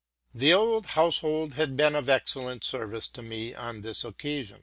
The old nostrum had been of excellent service to me on this occasion.